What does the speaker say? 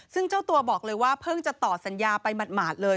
ซึ่งเจ้าตัวบอกเลยว่าเพิ่งจะต่อสัญญาไปหมาดเลย